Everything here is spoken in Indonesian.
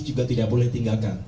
juga tidak boleh tinggalkan